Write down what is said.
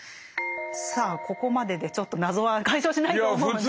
さあここまででちょっと謎は解消しないと思うんですけど。